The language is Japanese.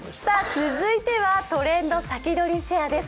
続いては「トレンドさきどり＃シェア」です。